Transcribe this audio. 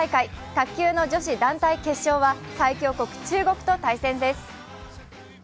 卓球の女子団体決勝は最強国・中国と対戦です。